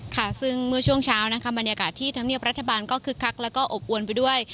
ค่ะซึ่งเมื่อช่วงเช้านะคะบรรยากาศที่ธรรมเนียบรัฐบาลก็คึกคักแล้วก็อบอวนไปด้วย